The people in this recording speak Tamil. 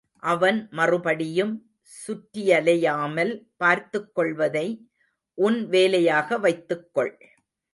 அவன் மறுபடியும் சுற்றியலையாமல் பார்த்துக் கொள்வதை உன் வேலையாக வைத்துக் கொள்.